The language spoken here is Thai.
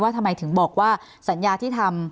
ทำไมถึงบอกว่าสัญญาที่ทำ